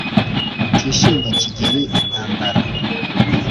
Mutishinga Kigeli intambara